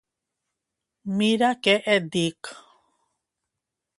Mira què et dic.